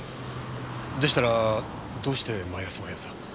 でしたらどうして毎朝毎朝？